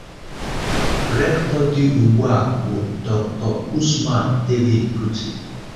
Rector dị ugbu a bụ Dr. Usman David Kuti.